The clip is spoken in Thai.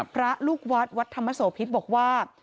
พระลูกวัดวัดธรรมโสพิษบอกว่า